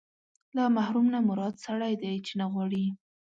له محروم نه مراد سړی دی چې نه غواړي.